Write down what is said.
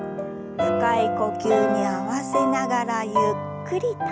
深い呼吸に合わせながらゆっくりと。